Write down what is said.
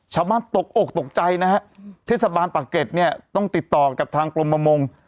ตกอกตกใจนะฮะเทศบาลปากเกร็ดเนี่ยต้องติดต่อกับทางกรมประมง